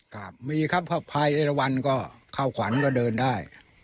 ครับมีครับพระภัยเอราวันก็เข้าขวัญก็เดินได้